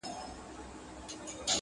لوڅ لپړ وو په كوټه كي درېدلى.!